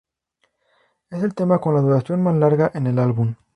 Es el tema con la duración más larga en el álbum.